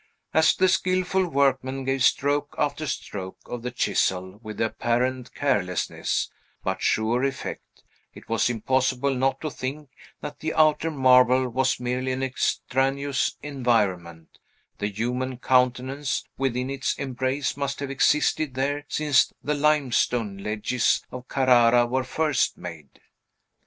As the skilful workman gave stroke after stroke of the chisel with apparent carelessness, but sure effect, it was impossible not to think that the outer marble was merely an extraneous environment; the human countenance within its embrace must have existed there since the limestone ledges of Carrara were first made.